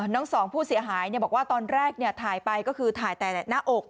น้องสองผู้เสียหายบอกว่าตอนแรกถ่ายไปก็คือถ่ายแต่หน้าอก